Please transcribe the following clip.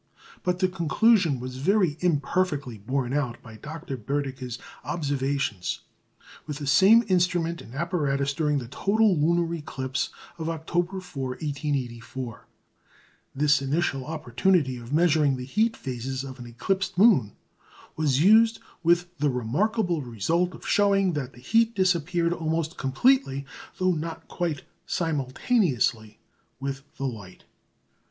But the conclusion was very imperfectly borne out by Dr. Boeddicker's observations with the same instrument and apparatus during the total lunar eclipse of October 4, 1884. This initial opportunity of measuring the heat phases of an eclipsed moon was used with the remarkable result of showing that the heat disappeared almost completely, though not quite simultaneously, with the light.